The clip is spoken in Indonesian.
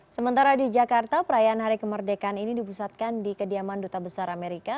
sementara di jakarta perayaan hari kemerdekaan ini dipusatkan di kediaman duta besar amerika